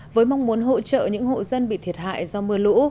với mong muốn hỗ trợ những hộ dân bị thiệt hại do mưa lũ